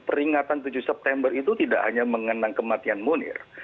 peringatan tujuh september itu tidak hanya mengenang kematian munir